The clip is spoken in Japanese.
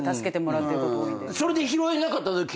それで拾えなかったとき。